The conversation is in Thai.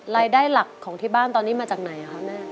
รายได้หลักของที่บ้านตอนนี้มาจากไหนคะแม่